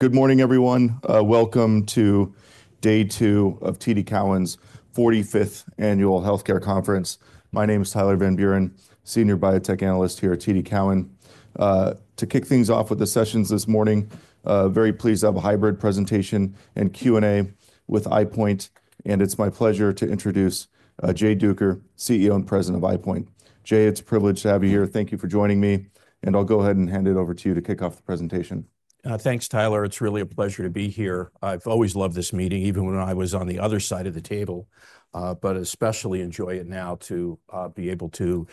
Good morning, everyone. Welcome to Day 2 of TD Cowen's 45th Annual Healthcare Conference. My name is Tyler Van Buren, Senior Biotech Analyst here at TD Cowen. To kick things off with the sessions this morning, very pleased to have a hybrid presentation and Q&A with EyePoint, and it's my pleasure to introduce Jay Duker, CEO and President of EyePoint. Jay, it's a privilege to have you here. Thank you for joining me, and I'll go ahead and hand it over to you to kick off the presentation. Thanks, Tyler. It's really a pleasure to be here. I've always loved this meeting, even when I was on the other side of the table, but especially enjoy it now to be able to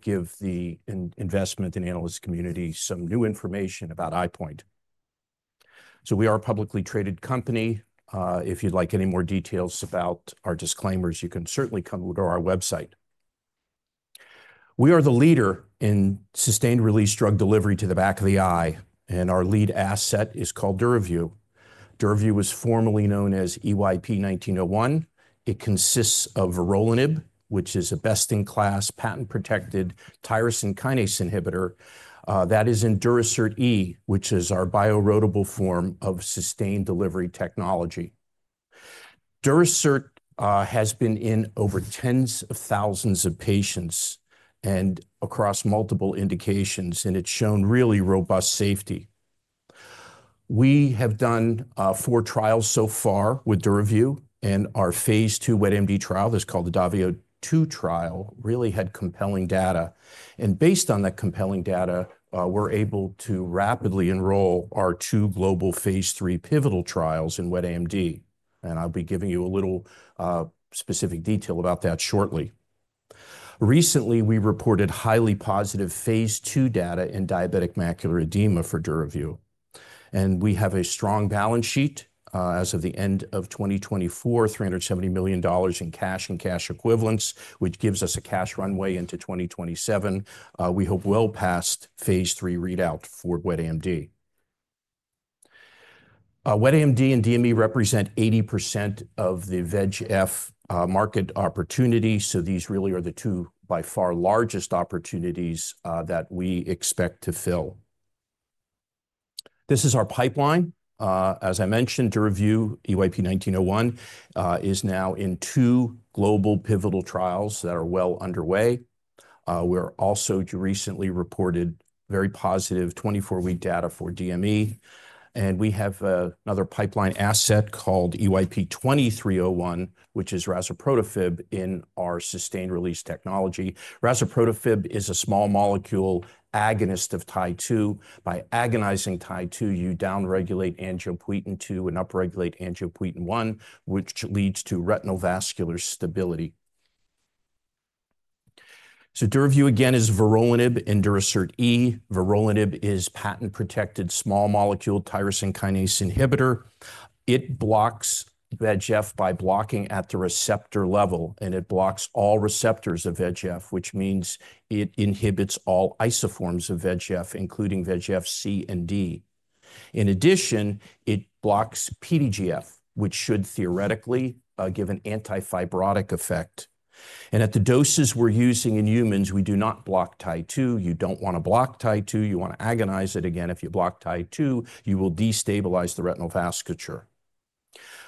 give the investment and analyst community some new information about EyePoint. We are a publicly traded company. If you'd like any more details about our disclaimers, you can certainly come to our website. We are the leader in sustained-release drug delivery to the back of the eye, and our lead asset is called DURAVYU. DURAVYU was formerly known as EYP-1901. It consists of vorolanib, which is a best-in-class, patent-protected tyrosine kinase inhibitor, that is in Duracert E, which is our bioerodible form of sustained delivery technology. Duracert has been in over tens of thousands of patients and across multiple indications, and it's shown really robust safety. We have done four trials so far with DURAVYU, and our phase II wet AMD trial, that's called the DAVIO 2 trial, really had compelling data. Based on that compelling data, we're able to rapidly enroll our two global phase III pivotal trials in wet AMD, and I'll be giving you a little specific detail about that shortly. Recently, we reported highly positive phase II data in diabetic macular edema for DURAVYU, and we have a strong balance sheet as of the end of 2024, $370 million in cash and cash equivalents, which gives us a cash runway into 2027. We hope well past phase III readout for wet AMD. Wet AMD and DME represent 80% of the VEGF market opportunity, so these really are the two by far largest opportunities that we expect to fill. This is our pipeline. As I mentioned, DURAVYU, EYP-1901, is now in two global pivotal trials that are well underway. We also recently reported very positive 24-week data for DME, and we have another pipeline asset called EYP-2301, which is razuprotafib in our sustained-release technology. Razuprotafib is a small molecule agonist of Tie2. By agonizing Tie2, you downregulate angiopoietin-2 and upregulate angiopoietin I, which leads to retinal vascular stability. DURAVYU, again, is vorolanib and Duracert E. Vorolanib is a patent-protected small molecule tyrosine kinase inhibitor. It blocks VEGF by blocking at the receptor level, and it blocks all receptors of VEGF, which means it inhibits all isoforms of VEGF, including VEGF C and D. In addition, it blocks PDGF, which should theoretically give an antifibrotic effect. At the doses we are using in humans, we do not block Tie2. You do not want to block Tie2. You want to agonize it. Again, if you block Tie2, you will destabilize the retinal vasculature.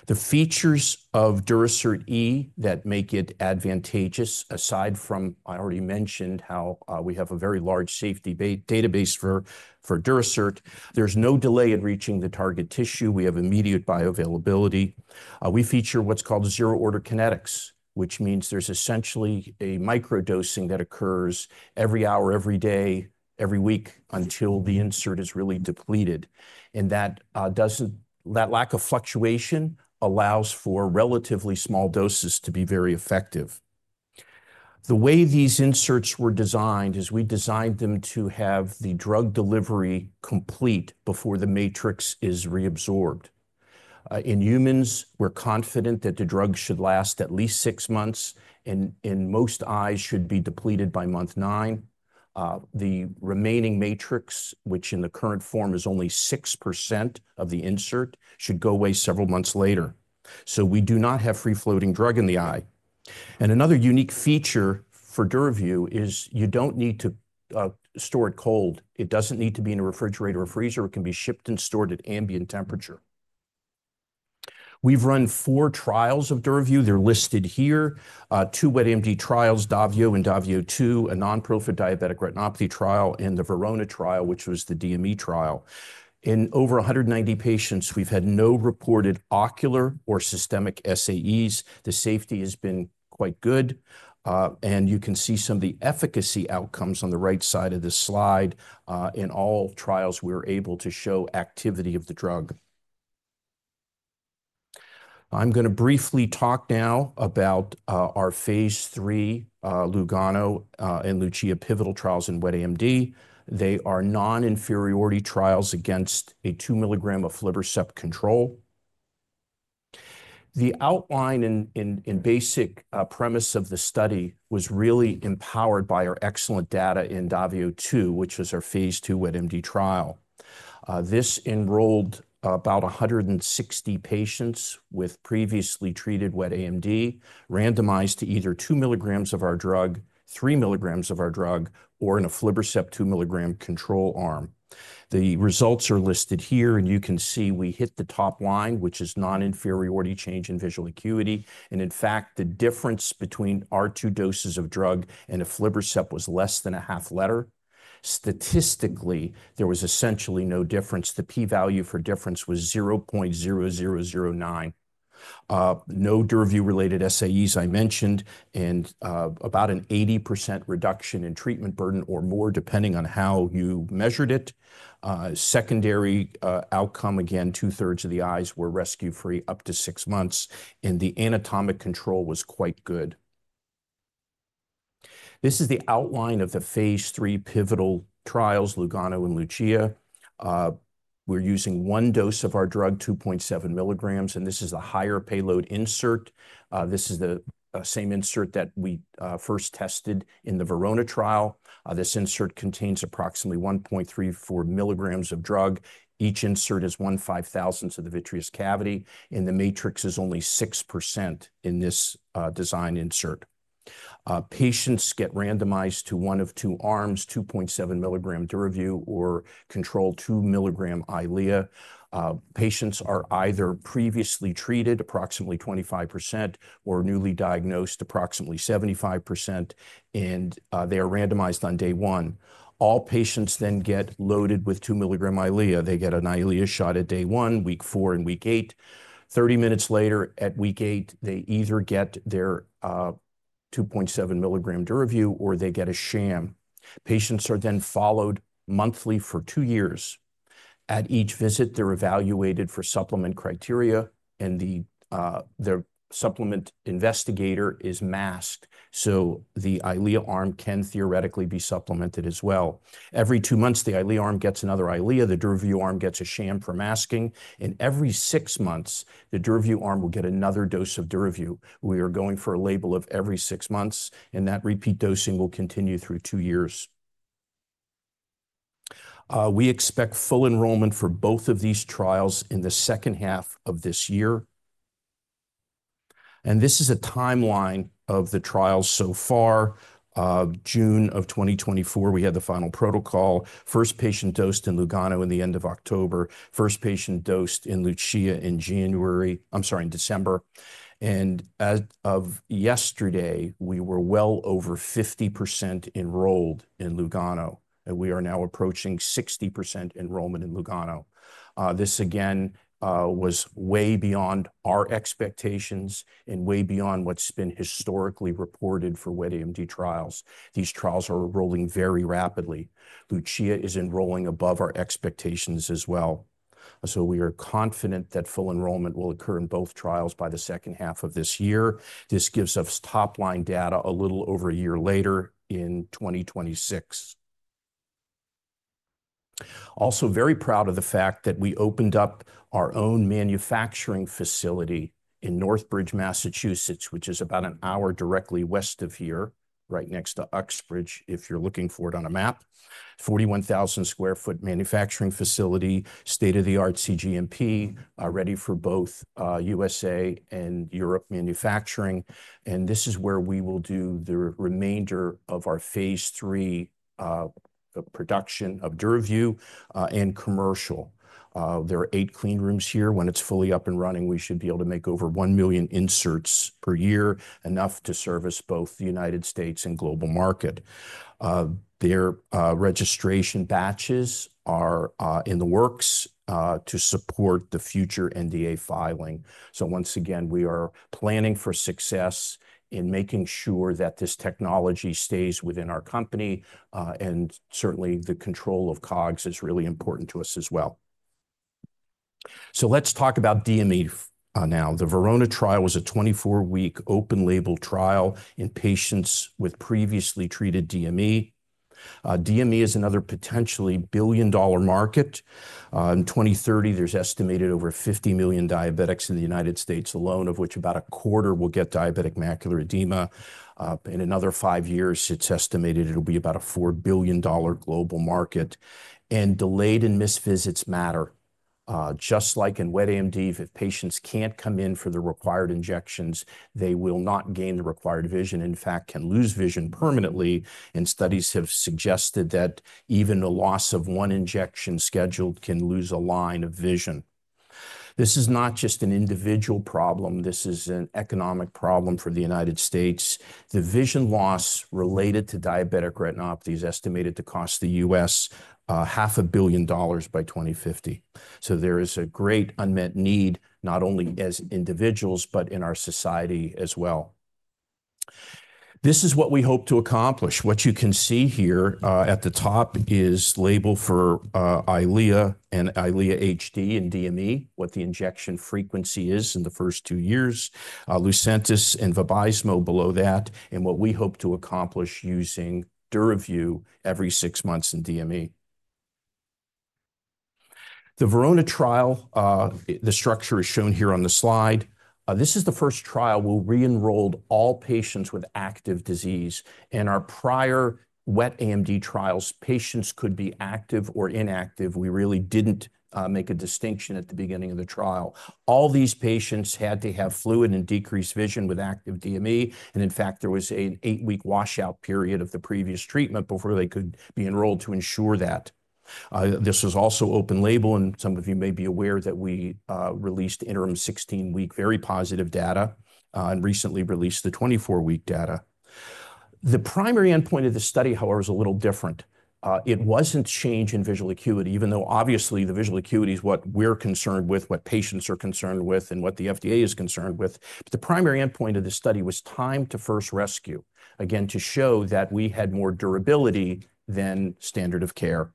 The features of Duracert E that make it advantageous, aside from I already mentioned how we have a very large safety database for Duracert, there's no delay in reaching the target tissue. We have immediate bioavailability. We feature what's called zero-order kinetics, which means there's essentially a microdosing that occurs every hour, every day, every week until the insert is really depleted. That lack of fluctuation allows for relatively small doses to be very effective. The way these inserts were designed is we designed them to have the drug delivery complete before the matrix is reabsorbed. In humans, we're confident that the drug should last at least six months, and in most eyes should be depleted by month nine. The remaining matrix, which in the current form is only 6% of the insert, should go away several months later. We do not have free-floating drug in the eye. Another unique feature for DURAVYU is you don't need to store it cold. It doesn't need to be in a refrigerator or freezer. It can be shipped and stored at ambient temperature. We've run four trials of DURAVYU. They're listed here: two wet AMD trials, DAVIO and DAVIO 2, a non-prophylactic diabetic retinopathy trial, and the VERONA trial, which was the DME trial. In over 190 patients, we've had no reported ocular or systemic SAEs. The safety has been quite good, and you can see some of the efficacy outcomes on the right side of this slide. In all trials, we were able to show activity of the drug. I'm going to briefly talk now about our phase III LUGANO and LUCIA pivotal trials in wet AMD. They are non-inferiority trials against a 2 mg aflibercept control. The outline and basic premise of the study was really empowered by our excellent data in DAVIO 2, which was our phase II wet AMD trial. This enrolled about 160 patients with previously treated wet AMD, randomized to either 2 mgs of our drug, 3 mgs of our drug, or an aflibercept 2 mg control arm. The results are listed here, and you can see we hit the top line, which is non-inferiority change in visual acuity. In fact, the difference between our two doses of drug and aflibercept was less than a half letter. Statistically, there was essentially no difference. The p-value for difference was 0.0009. No DURAVYU-related SAEs, I mentioned, and about an 80% reduction in treatment burden or more, depending on how you measured it. Secondary outcome, again, two-thirds of the eyes were rescue-free up to six months, and the anatomic control was quite good. This is the outline of the phase III pivotal trials, LUGANO and LUCIA. We're using one dose of our drug, 2.7 mgs, and this is the higher payload insert. This is the same insert that we first tested in the VERONA trial. This insert contains approximately 1.34 mgs of drug. Each insert is one five-thousandths of the vitreous cavity, and the matrix is only 6% in this design insert. Patients get randomized to one of two arms, 2.7 mg DURAVYU or controlled 2 mg Eylea. Patients are either previously treated, approximately 25%, or newly diagnosed, approximately 75%, and they are randomized on day one. All patients then get loaded with 2 mg Eylea. They get an Eylea shot at day one, week four, and week eight. Thirty minutes later at week eight, they either get their 2.7 mg DURAVYU or they get a sham. Patients are then followed monthly for two years. At each visit, they're evaluated for supplement criteria, and the supplement investigator is masked, so the Eylea arm can theoretically be supplemented as well. Every two months, the Eylea arm gets another Eylea. The DURAVYU arm gets a sham for masking. Every six months, the DURAVYU arm will get another dose of DURAVYU. We are going for a label of every six months, and that repeat dosing will continue through two years. We expect full enrollment for both of these trials in the second half of this year. This is a timeline of the trials so far. June of 2024, we had the final protocol. First patient dosed in LUGANO in the end of October. First patient dosed in LUCIA in January, I'm sorry, in December. As of yesterday, we were well over 50% enrolled in LUGANO, and we are now approaching 60% enrollment in LUGANO. This, again, was way beyond our expectations and way beyond what has been historically reported for wet AMD trials. These trials are enrolling very rapidly. LUCIA is enrolling above our expectations as well. We are confident that full enrollment will occur in both trials by the second half of this year. This gives us top-line data a little over a year later in 2026. Also very proud of the fact that we opened up our own manufacturing facility in Northbridge, Massachusetts, which is about an hour directly west of here, right next to Uxbridge, if you're looking for it on a map. 41,000 sq ft manufacturing facility, state-of-the-art CGMP, ready for both USA and Europe manufacturing. This is where we will do the remainder of our phase III production of DURAVYU and commercial. There are eight cleanrooms here. When it's fully up and running, we should be able to make over 1 million inserts per year, enough to service both the United States and global market. Their registration batches are in the works to support the future NDA filing. Once again, we are planning for success in making sure that this technology stays within our company, and certainly the control of COGS is really important to us as well. Let's talk about DME now. The Verona trial was a 24-week open-label trial in patients with previously treated DME. DME is another potentially billion-dollar market. In 2030, there is estimated to be over 50 million diabetics in the United States alone, of which about a quarter will get diabetic macular edema. In another five years, it is estimated it will be about a $4 billion global market. Delayed and missed visits matter. Just like in wet AMD, if patients cannot come in for the required injections, they will not gain the required vision. In fact, can lose vision permanently, and studies have suggested that even the loss of one injection scheduled can lose a line of vision. This is not just an individual problem. This is an economic problem for the United States. The vision loss related to diabetic retinopathy is estimated to cost the U.S. $500 million by 2050. There is a great unmet need, not only as individuals, but in our society as well. This is what we hope to accomplish. What you can see here at the top is label for Eylea and Eylea HD in DME, what the injection frequency is in the first two years, Lucentis and Vabysmo below that, and what we hope to accomplish using DURAVYU every six months in DME. The VERONA trial, the structure is shown here on the slide. This is the first trial we re-enrolled all patients with active disease. In our prior wet AMD trials, patients could be active or inactive. We really did not make a distinction at the beginning of the trial. All these patients had to have fluid and decreased vision with active DME, and in fact, there was an eight-week washout period of the previous treatment before they could be enrolled to ensure that. This was also open label, and some of you may be aware that we released interim 16-week very positive data and recently released the 24-week data. The primary endpoint of the study, however, was a little different. It wasn't change in visual acuity, even though obviously the visual acuity is what we're concerned with, what patients are concerned with, and what the FDA is concerned with. The primary endpoint of the study was time to first rescue, again, to show that we had more durability than standard of care.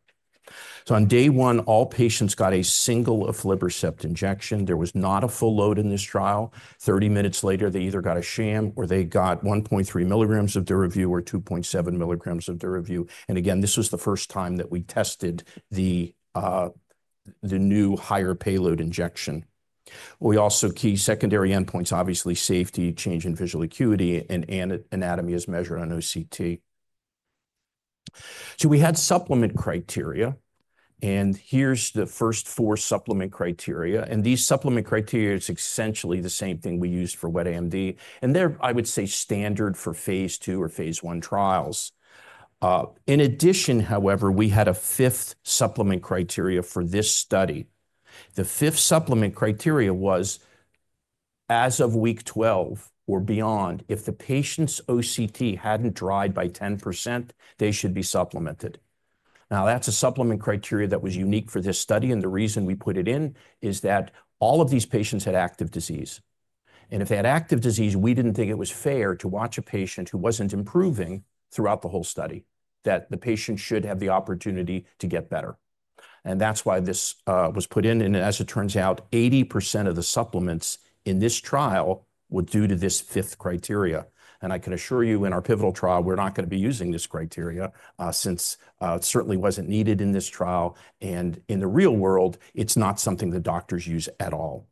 On day one, all patients got a single aflibercept injection. There was not a full load in this trial. Thirty minutes later, they either got a sham or they got 1.3 mg of DURAVYU or 2.7 mg of DURAVYU. Again, this was the first time that we tested the new higher payload injection. We also key secondary endpoints, obviously safety, change in visual acuity, and anatomy as measured on OCT. We had supplement criteria, and here is the first four supplement criteria. These supplement criteria are essentially the same thing we used for wet AMD. I would say they are standard for phase II or phase I trials. In addition, however, we had a fifth supplement criteria for this study. The fifth supplement criteria was, as of week 12 or beyond, if the patient's OCT had not dried by 10%, they should be supplemented. That is a supplement criteria that was unique for this study, and the reason we put it in is that all of these patients had active disease. If they had active disease, we did not think it was fair to watch a patient who was not improving throughout the whole study, that the patient should have the opportunity to get better. That is why this was put in. As it turns out, 80% of the supplements in this trial were due to this fifth criteria. I can assure you, in our pivotal trial, we are not going to be using this criteria since it certainly was not needed in this trial. In the real world, it is not something that doctors use at all.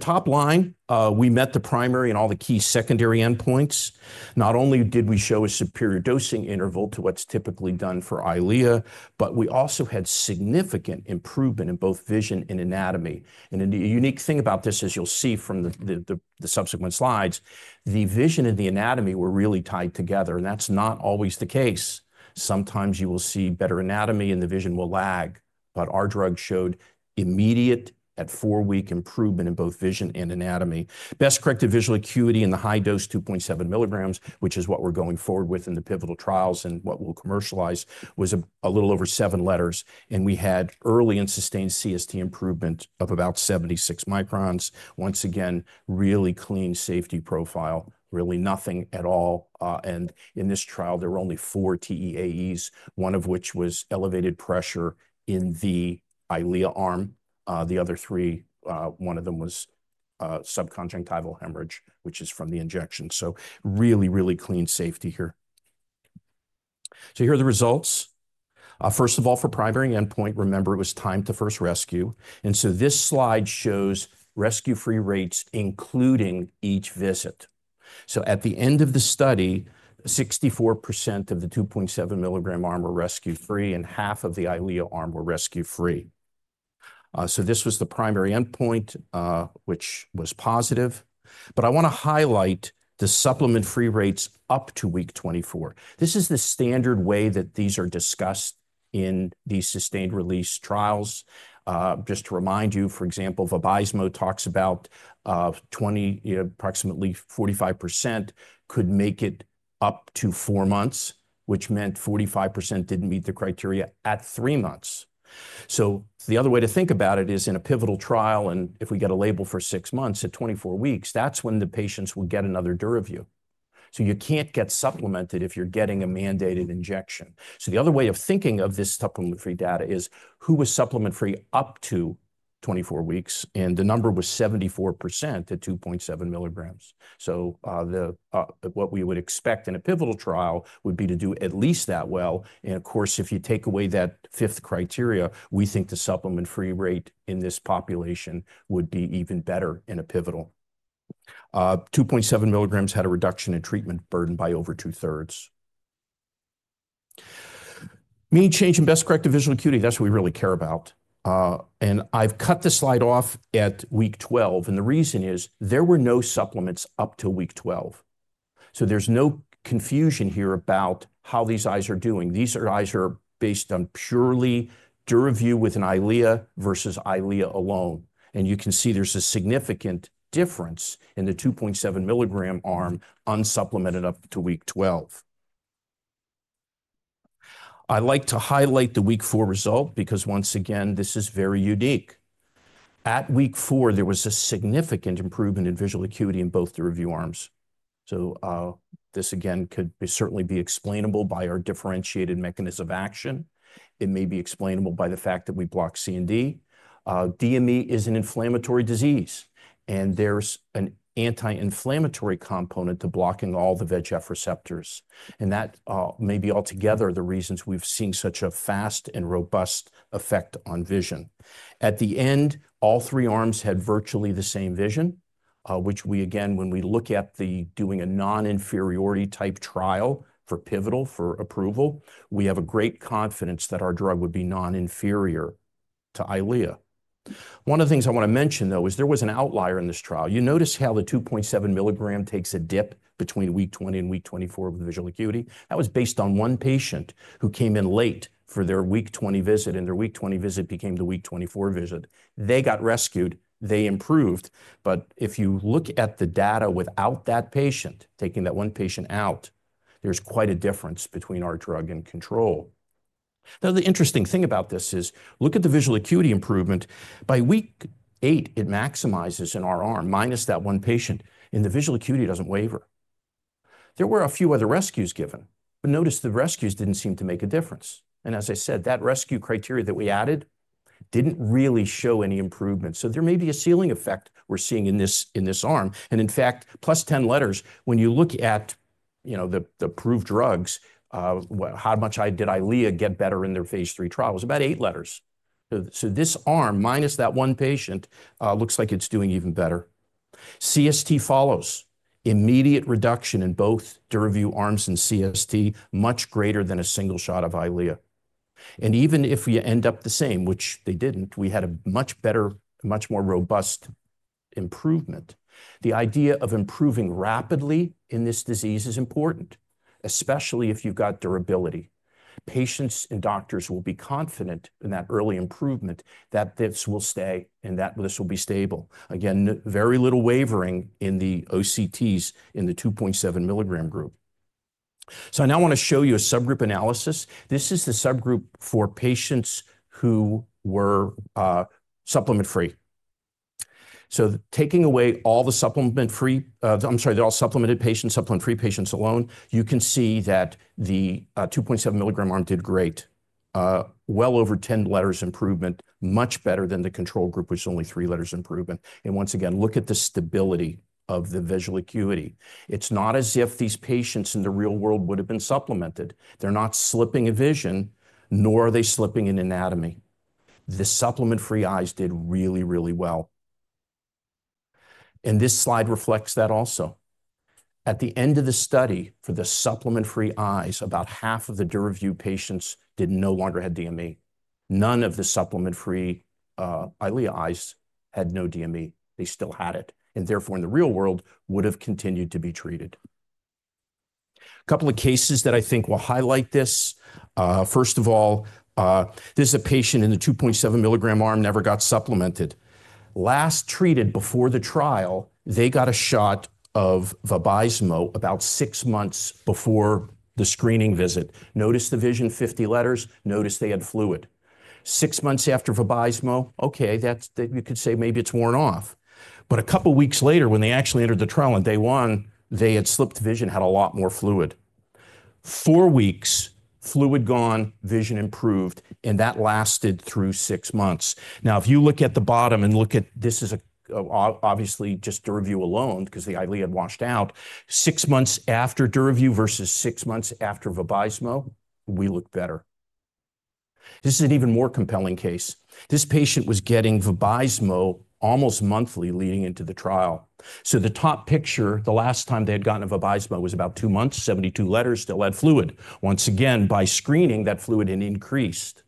Top line, we met the primary and all the key secondary endpoints. Not only did we show a superior dosing interval to what is typically done for Eylea, but we also had significant improvement in both vision and anatomy. The unique thing about this, as you'll see from the subsequent slides, the vision and the anatomy were really tied together, and that's not always the case. Sometimes you will see better anatomy and the vision will lag, but our drug showed immediate at four-week improvement in both vision and anatomy. Best corrected visual acuity in the high dose, 2.7 mgs, which is what we're going forward with in the pivotal trials and what we'll commercialize, was a little over seven letters. We had early and sustained CST improvement of about 76 microns. Once again, really clean safety profile, really nothing at all. In this trial, there were only four TEAEs, one of which was elevated pressure in the Eylea arm. The other three, one of them was subconjunctival hemorrhage, which is from the injection. Really, really clean safety here. Here are the results. First of all, for primary endpoint, remember it was time to first rescue. This slide shows rescue-free rates, including each visit. At the end of the study, 64% of the 2.7 mg arm were rescue-free and half of the Eylea arm were rescue-free. This was the primary endpoint, which was positive. I want to highlight the supplement-free rates up to week 24. This is the standard way that these are discussed in these sustained release trials. Just to remind you, for example, Vabysmo talks about approximately 45% could make it up to four months, which meant 45% did not meet the criteria at three months. The other way to think about it is in a pivotal trial, and if we get a label for six months at 24 weeks, that is when the patients will get another DURAVYU. You can't get supplemented if you're getting a mandated injection. The other way of thinking of this supplement-free data is who was supplement-free up to 24 weeks, and the number was 74% at 2.7 mgs. What we would expect in a pivotal trial would be to do at least that well. Of course, if you take away that fifth criteria, we think the supplement-free rate in this population would be even better in a pivotal. 2.7 mgs had a reduction in treatment burden by over two-thirds. Mean change in best corrected visual acuity, that's what we really care about. I've cut the slide off at week 12, and the reason is there were no supplements up to week 12. There's no confusion here about how these eyes are doing. These eyes are based on purely DURAVYU with an Eylea versus Eylea alone. You can see there's a significant difference in the 2.7 mg arm unsupplemented up to week 12. I like to highlight the week four result because once again, this is very unique. At week four, there was a significant improvement in visual acuity in both the DURAVYU arms. This, again, could certainly be explainable by our differentiated mechanism of action. It may be explainable by the fact that we block C and D. DME is an inflammatory disease, and there's an anti-inflammatory component to blocking all the VEGF receptors. That may be altogether the reasons we've seen such a fast and robust effect on vision. At the end, all three arms had virtually the same vision, which we, again, when we look at doing a non-inferiority type trial for pivotal for approval, we have great confidence that our drug would be non-inferior to Eylea. One of the things I want to mention, though, is there was an outlier in this trial. You notice how the 2.7 mg takes a dip between week 20 and week 24 of the visual acuity. That was based on one patient who came in late for their week 20 visit, and their week 20 visit became the week 24 visit. They got rescued. They improved. If you look at the data without that patient, taking that one patient out, there's quite a difference between our drug and control. Now, the interesting thing about this is look at the visual acuity improvement. By week eight, it maximizes in our arm, minus that one patient, and the visual acuity doesn't waver. There were a few other rescues given, but notice the rescues didn't seem to make a difference. As I said, that rescue criteria that we added did not really show any improvement. There may be a ceiling effect we are seeing in this arm. In fact, plus 10 letters, when you look at the approved drugs, how much did Eylea get better in their phase III trial? It was about eight letters. This arm, minus that one patient, looks like it is doing even better. CST follows. Immediate reduction in both DURAVYU arms in CST, much greater than a single shot of Eylea. Even if we end up the same, which they did not, we had a much better, much more robust improvement. The idea of improving rapidly in this disease is important, especially if you have got durability. Patients and doctors will be confident in that early improvement that this will stay and that this will be stable. Again, very little wavering in the OCTs in the 2.7 mg group. I now want to show you a subgroup analysis. This is the subgroup for patients who were supplement-free. Taking away all the supplement-free, I'm sorry, they're all supplemented patients, supplement-free patients alone, you can see that the 2.7 mg arm did great. Well over 10 letters improvement, much better than the control group, which is only three letters improvement. Once again, look at the stability of the visual acuity. It's not as if these patients in the real world would have been supplemented. They're not slipping a vision, nor are they slipping in anatomy. The supplement-free eyes did really, really well. This slide reflects that also. At the end of the study for the supplement-free eyes, about half of the DURAVYU patients no longer had DME. None of the supplement-free Eylea eyes had no DME. They still had it. Therefore, in the real world, would have continued to be treated. A couple of cases that I think will highlight this. First of all, this is a patient in the 2.7 mg arm never got supplemented. Last treated before the trial, they got a shot of Vabysmo about six months before the screening visit. Notice the vision, 50 letters. Notice they had fluid. Six months after Vabysmo, you could say maybe it's worn off. A couple of weeks later, when they actually entered the trial on day one, they had slipped vision, had a lot more fluid. Four weeks, fluid gone, vision improved, and that lasted through six months. Now, if you look at the bottom and look at, this is obviously just DURAVYU alone because the Eylea had washed out. Six months after DURAVYU versus six months after Vabysmo, we look better. This is an even more compelling case. This patient was getting Vabysmo almost monthly leading into the trial. The top picture, the last time they had gotten a Vabysmo was about two months, 72 letters, still had fluid. Once again, by screening, that fluid had increased.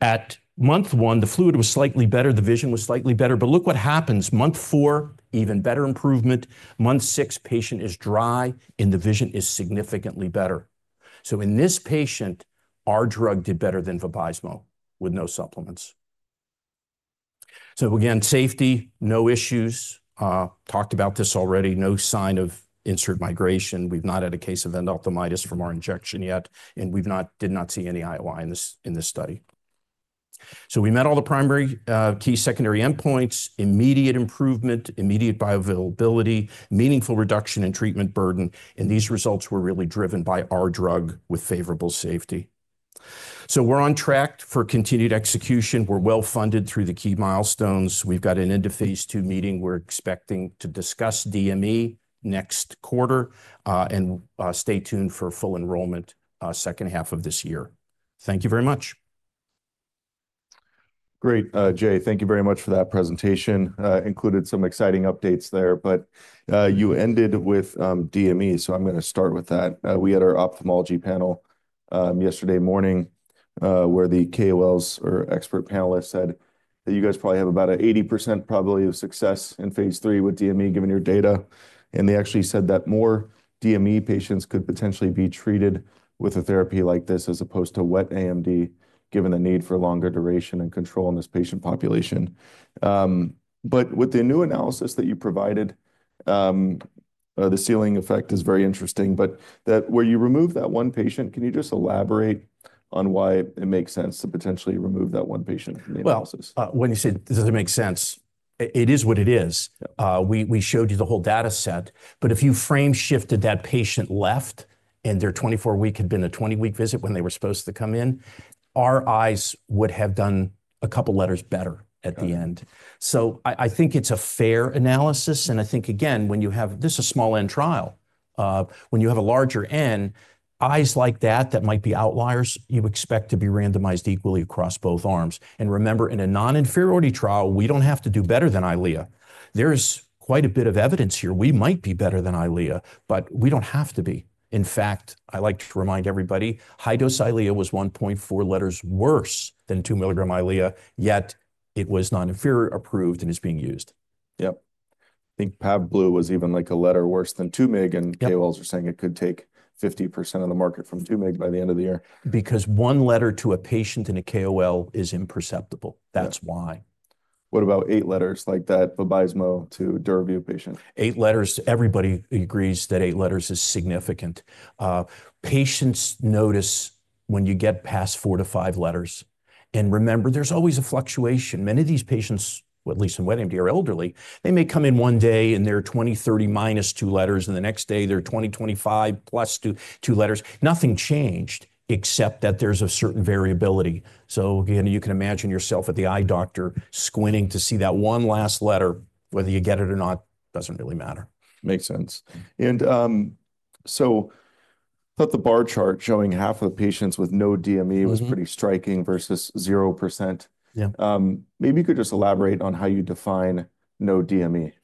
At month one, the fluid was slightly better, the vision was slightly better, but look what happens. Month four, even better improvement. Month six, patient is dry and the vision is significantly better. In this patient, our drug did better than Vabysmo with no supplements. Again, safety, no issues. Talked about this already. No sign of insert migration. We've not had a case of endophthalmitis from our injection yet, and we did not see any IOI in this study. We met all the primary key secondary endpoints, immediate improvement, immediate bioavailability, meaningful reduction in treatment burden, and these results were really driven by our drug with favorable safety. We are on track for continued execution. We are well funded through the key milestones. We have got an end of phase II meeting. We are expecting to discuss DME next quarter. Stay tuned for full enrollment second half of this year. Thank you very much. Great. Jay, thank you very much for that presentation. Included some exciting updates there, but you ended with DME, so I am going to start with that. We had our ophthalmology panel yesterday morning where the KOLs or expert panelists said that you guys probably have about an 80% probability of success in phase III with DME given your data. They actually said that more DME patients could potentially be treated with a therapy like this as opposed to wet AMD given the need for longer duration and control in this patient population. With the new analysis that you provided, the ceiling effect is very interesting. Where you remove that one patient, can you just elaborate on why it makes sense to potentially remove that one patient from the analysis? When you say, "Does it make sense?" It is what it is. We showed you the whole data set, but if you frame-shifted that patient left and their 24-week had been a 20-week visit when they were supposed to come in, our eyes would have done a couple of letters better at the end. I think it's a fair analysis. I think, again, when you have this is a small N trial. When you have a larger N, eyes like that, that might be outliers, you expect to be randomized equally across both arms. Remember, in a non-inferiority trial, we do not have to do better than Eylea. There is quite a bit of evidence here. We might be better than Eylea, but we do not have to be. In fact, I like to remind everybody, high-dose Eylea was 1.4 letters worse than 2 mg Eylea, yet it was non-inferior approved and is being used. Yep. I think Pavblu was even like a letter worse than 2 mg, and KOLs were saying it could take 50% of the market from 2 mg by the end of the year. Because one letter to a patient in a KOL is imperceptible. That is why. What about eight letters like that Vabysmo to DURAVYU patient? Eight letters. Everybody agrees that eight letters is significant. Patients notice when you get past four to five letters. Remember, there's always a fluctuation. Many of these patients, at least in wet AMD, are elderly. They may come in one day and they're 20, 30 minus two letters, and the next day they're 20, 25 plus two letters. Nothing changed except that there's a certain variability. You can imagine yourself at the eye doctor squinting to see that one last letter. Whether you get it or not doesn't really matter. Makes sense. I thought the bar chart showing half of the patients with no DME was pretty striking versus 0%. Maybe you could just elaborate on how you define no DME.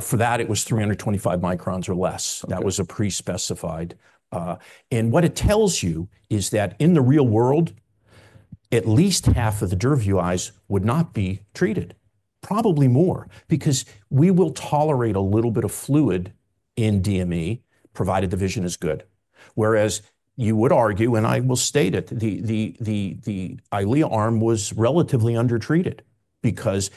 For that, it was 325 microns or less. That was a pre-specified. What it tells you is that in the real world, at least half of the DURAVYU eyes would not be treated. Probably more because we will tolerate a little bit of fluid in DME, provided the vision is good. Whereas you would argue, and I will state it, the Eylea arm was relatively undertreated because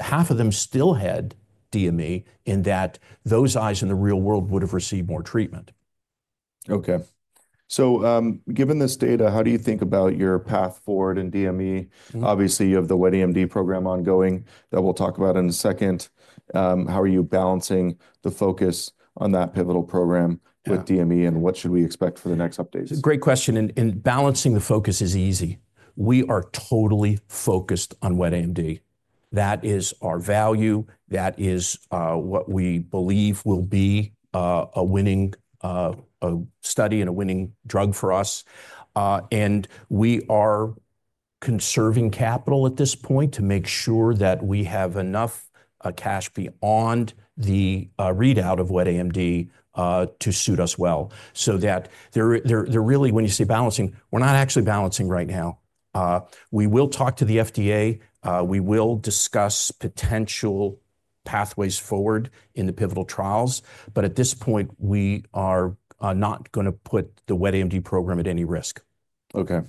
half of them still had DME in that those eyes in the real world would have received more treatment. Okay. Given this data, how do you think about your path forward in DME? Obviously, you have the wet AMD program ongoing that we'll talk about in a second. How are you balancing the focus on that pivotal program with DME, and what should we expect for the next updates? Great question. Balancing the focus is easy. We are totally focused on wet AMD. That is our value. That is what we believe will be a winning study and a winning drug for us. We are conserving capital at this point to make sure that we have enough cash beyond the readout of wet AMD to suit us well. That really, when you say balancing, we're not actually balancing right now. We will talk to the FDA. We will discuss potential pathways forward in the pivotal trials. At this point, we are not going to put the wet AMD program at any risk. Okay.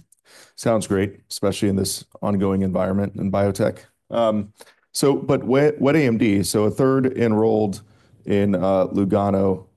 Sounds great, especially in this ongoing environment in biotech. Wet AMD, so a third enrolled in LUGANO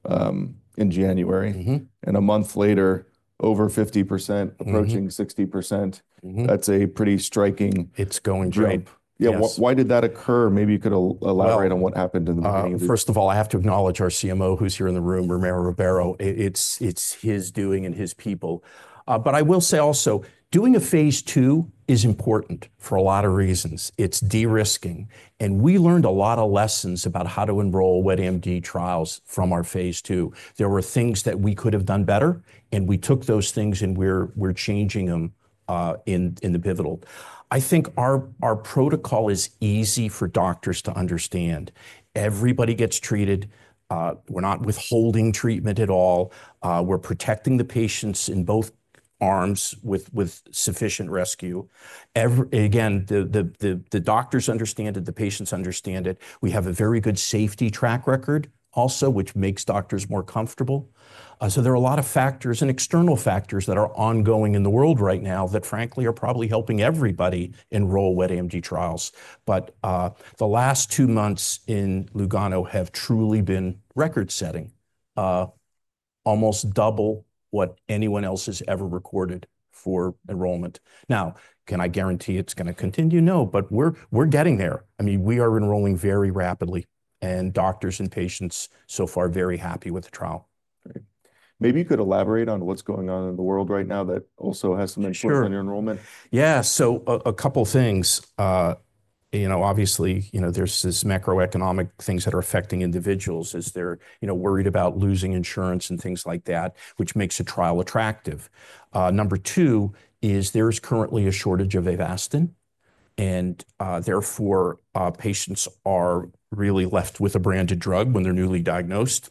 in January, and a month later, over 50%, approaching 60%. That's a pretty striking jump. Yeah. Why did that occur? Maybe you could elaborate on what happened in the beginning of the year. First of all, I have to acknowledge our CMO, who's here in the room, Ramero Ribeiro. It's his doing and his people. I will say also, doing a phase II is important for a lot of reasons. It's de-risking. We learned a lot of lessons about how to enroll wet AMD trials from our phase II. There were things that we could have done better, and we took those things and we're changing them in the pivotal. I think our protocol is easy for doctors to understand. Everybody gets treated. We're not withholding treatment at all. We're protecting the patients in both arms with sufficient rescue. Again, the doctors understand it, the patients understand it. We have a very good safety track record also, which makes doctors more comfortable. There are a lot of factors and external factors that are ongoing in the world right now that, frankly, are probably helping everybody enroll wet AMD trials. The last two months in LUGANO have truly been record-setting, almost double what anyone else has ever recorded for enrollment. Now, can I guarantee it's going to continue? No, but we're getting there. I mean, we are enrolling very rapidly, and doctors and patients so far are very happy with the trial. Maybe you could elaborate on what's going on in the world right now that also has some influence on your enrollment. Yeah. A couple of things. Obviously, there's this macroeconomic things that are affecting individuals as they're worried about losing insurance and things like that, which makes a trial attractive. Number two is there is currently a shortage of Avastin, and therefore, patients are really left with a branded drug when they're newly diagnosed.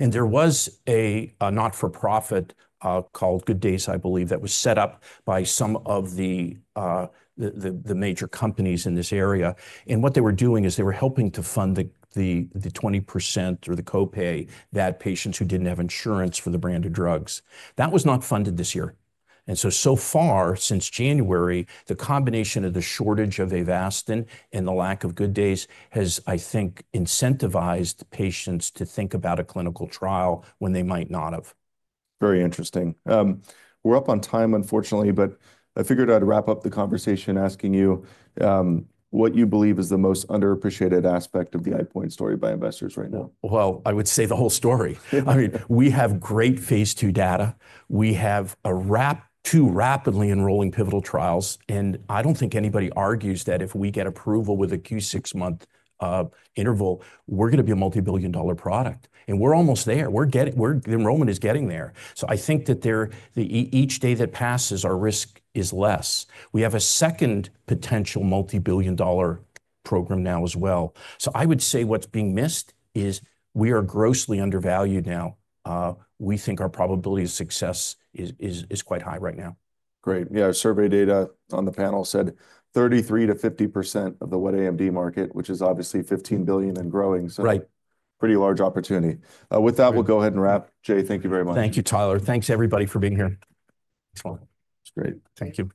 There was a not-for-profit called Good Days, I believe, that was set up by some of the major companies in this area. What they were doing is they were helping to fund the 20% or the copay that patients who didn't have insurance for the branded drugs. That was not funded this year. So far, since January, the combination of the shortage of Avastin and the lack of Good Days has, I think, incentivized patients to think about a clinical trial when they might not have. Very interesting. We're up on time, unfortunately, but I figured I'd wrap up the conversation asking you what you believe is the most underappreciated aspect of the EyePoint story by investors right now. I would say the whole story. I mean, we have great phase II data. We have two rapidly enrolling pivotal trials. I don't think anybody argues that if we get approval with a Q6 month interval, we're going to be a multi-billion dollar product. We're almost there. The enrollment is getting there. I think that each day that passes, our risk is less. We have a second potential multi-billion dollar program now as well. I would say what's being missed is we are grossly undervalued now. We think our probability of success is quite high right now. Great. Yeah. Survey data on the panel said 33%-50% of the wet AMD market, which is obviously $15 billion and growing. Pretty large opportunity. With that, we'll go ahead and wrap. Jay, thank you very much. Thank you, Tyler. Thanks, everybody, for being here. That's great. Thank you.